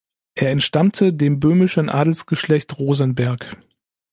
Er entstammte dem böhmischen Adelsgeschlecht Rosenberg.